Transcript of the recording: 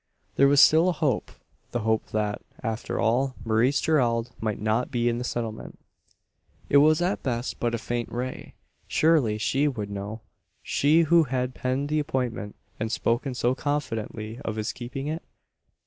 There was still a hope the hope that, after all, Maurice Gerald might not be in the Settlement. It was at best but a faint ray. Surely she should know she who had penned the appointment, and spoken so confidently of his keeping it?